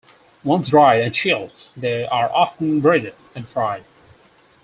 Once dried and chilled, they are often breaded and fried.